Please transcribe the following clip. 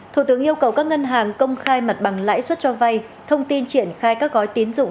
thủ tướng yêu cầu các ngân hàng công khai mặt bằng lãi suất cho vay thông tin triển khai các gói tín dụng